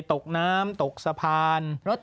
ตกน้ำตกสะพาน